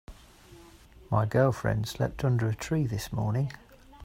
My girlfriend slept under a tree this morning.